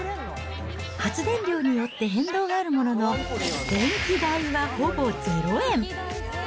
発電量によって変動があるものの、電気代はほぼ０円。